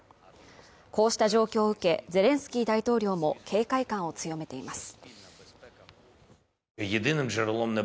こうした状況を受け、ゼレンスキー大統領も警戒感を強めています。